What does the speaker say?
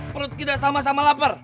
perut kita sama sama lapar